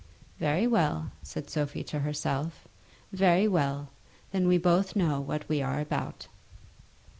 "Very well," said Sophie to herself; "very well. Then we both know what we are about."